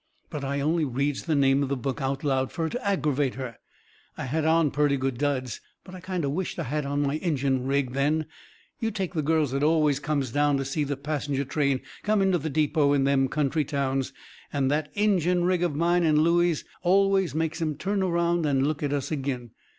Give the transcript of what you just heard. But I only reads the name of the book out loud, fur to aggervate her. I had on purty good duds, but I kind of wisht I had on my Injun rig then. You take the girls that always comes down to see the passenger train come into the depot in them country towns and that Injun rig of mine and Looey's always made 'em turn around and look at us agin.